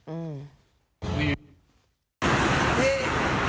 อืม